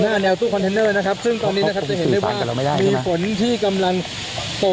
หน้าแนวตู้คอนเทนเนอร์นะครับซึ่งตอนนี้นะครับจะเห็น